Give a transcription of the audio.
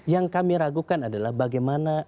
yang kami ragukan adalah bagaimana